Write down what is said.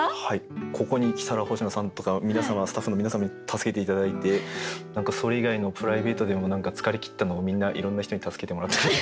ここに来たら星野さんとか皆様スタッフの皆様に助けて頂いて何かそれ以外のプライベートでも何か疲れ切ったのをみんないろんな人に助けてもらったり。